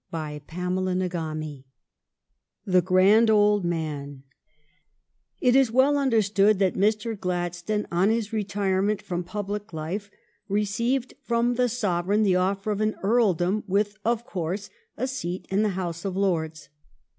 CHAPTER XXXIV " THE GRAND OLD MAN " It is well understood that Mr. Gladstone on his retirement from public life received from the Sov ereign the offer of an earldom with, of course, a seat in the House of Lords.